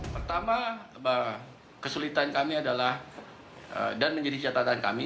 pertama kesulitan kami adalah dan menjadi catatan kami